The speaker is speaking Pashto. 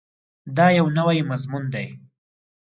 دا یو نوی مضمون دی.